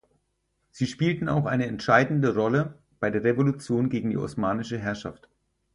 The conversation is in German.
Sie spielten auch eine entscheidende Rolle bei der Revolution gegen die osmanische Herrschaft.